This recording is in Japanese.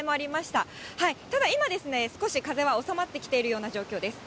ただ、今、少し風は収まってきているような状況です。